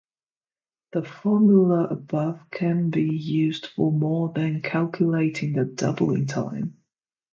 The formula above can be used for more than calculating the doubling time.